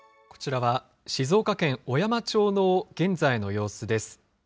こちらは静岡県小山町の現在の様子です。